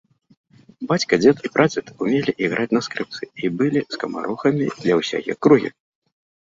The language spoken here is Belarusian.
Бацька, дзед і прадзед умелі іграць на скрыпцы і былі скамарохамі для ўсяе акругі.